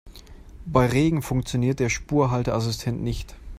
Bei Regen funktioniert der Spurhalteassistent nicht.